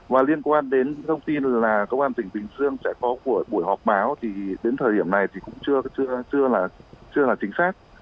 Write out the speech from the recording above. và liên quan đến thông tin là công an tỉnh bình dương sẽ có buổi họp báo thì đến thời điểm này thì cũng chưa là chính xác